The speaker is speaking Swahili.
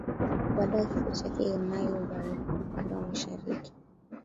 Baada ya kifo chake himaya iligawanyika na upande wa mashariki